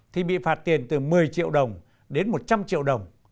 thì bị phạt tiền từ một mươi triệu đồng đến một trăm linh triệu đồng